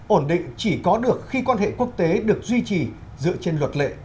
ổn định chỉ có được khi quan hệ quốc tế được duy trì dựa trên luật lệ